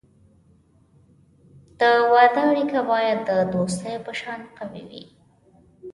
د واده اړیکه باید د دوستی په شان قوي وي.